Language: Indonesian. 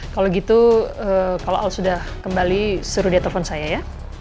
kalau gitu kalau al sudah kembali seru dia telpon saya ya